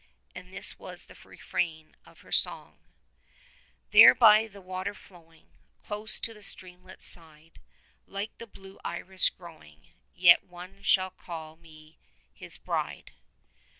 And this was the refrain of her song: There by the water flowing Close to the streamlet's side, Like the blue iris growing — Yet one shall call me his bride.